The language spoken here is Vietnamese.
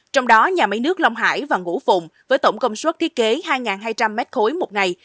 trong đó nhà máy nước long hải và ngũ phụng với tổng công suất thiết kế hai hai trăm linh m ba một ngày